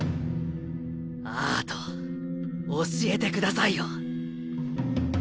アート教えてくださいよ。